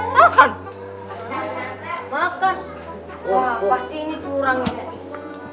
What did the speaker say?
wah pasti ini curang